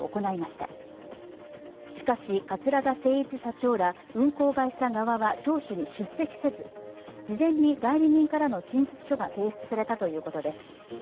しかし桂田精一社長ら運航会社側は聴取に出席せず事前に代理人からの陳述書が提出されたということです。